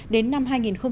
đến năm hai nghìn hai mươi